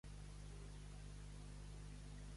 Qui li va concedir el Premi a la Dona Esportiva?